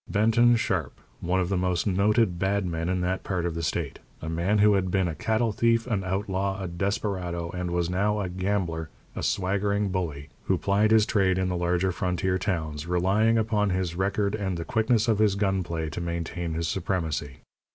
Benton Sharp, one of the most noted "bad" men in that part of the state a man who had been a cattle thief, an outlaw, a desperado, and was now a gambler, a swaggering bully, who plied his trade in the larger frontier towns, relying upon his record and the quickness of his gun play to maintain his supremacy.